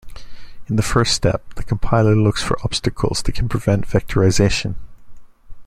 In the first step, the compiler looks for obstacles that can prevent vectorization.